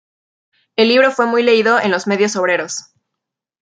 El libro fue muy leído en los medios obreros.